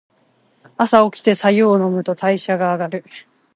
朝おきて白湯を飲むと代謝が上がる。